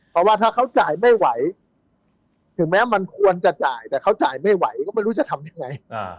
เพราะว่าถ้าเขาจ่ายไม่ไหวถึงแม้มันควรจะจ่ายแต่เขาจ่ายไม่ไหวก็ไม่รู้จะทำยังไง